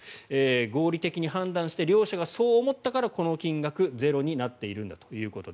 合理的に判断して両者がそう思ったからこの金額、ゼロになっていると。